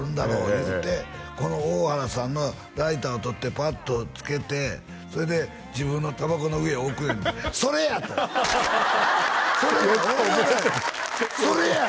言うてこの大原さんのライターを取ってパッとつけてそれで自分のタバコの上へ置くんやて「それや！」とよく覚えてる「それや！